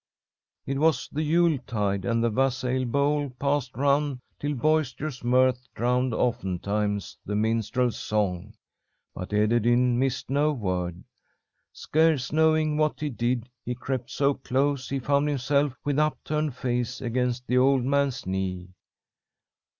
"It was the Yule tide, and the wassail bowl passed round till boisterous mirth drowned oftentimes the minstrel's song, but Ederyn missed no word. Scarce knowing what he did, he crept so close he found himself with upturned face against the old man's knee.